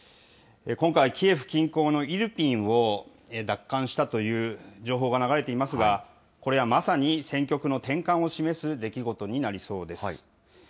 今回、キエフ近郊のイルピンを奪還したという情報が流れていますが、これはまさに戦局の転換を示す出来事になりそうです。